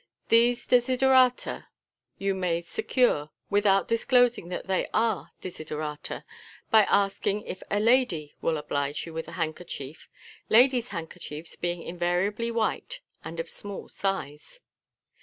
These desiderata you may secure, without disclosing that they are desiderata, by asking if a lady will oblige you with a handkerchief, ladies' handkerchiefs being invari ably white, and of small size.